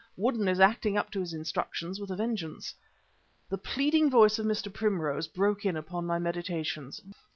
Woodden is acting up to his instructions with a vengeance. The pleading voice of Mr. Primrose broke in upon my meditations.